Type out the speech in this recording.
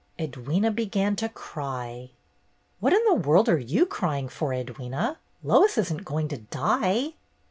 Edwyna began to cry. "What in the world are you crying for, Edwyna? Lois isn't going to die!"